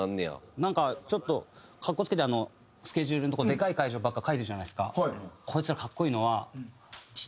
なんかちょっとかっこつけてスケジュールのとこでかい会場ばっか書いてるじゃないですか。